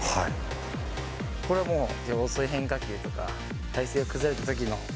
これはもう、遅い変化球とか、体勢が崩れたときの。